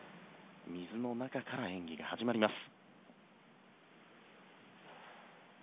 水の中から演技が始まります。